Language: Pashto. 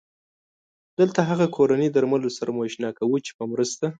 دلته هغه کورني درملو سره مو اشنا کوو چې په مرسته